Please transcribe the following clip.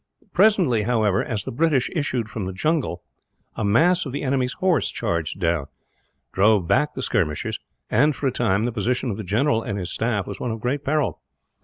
Presently, however, as the British issued from the jungle, a mass of the enemy's horse charged down, drove back the skirmishers and, for a time, the position of the general and his staff was one of great peril.